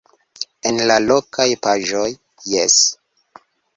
En la lokaj paĝoj - jes.